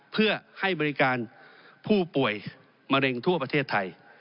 เพื่อให้บริการผู้ป่วยมะเร็งทั่วประเทศไทย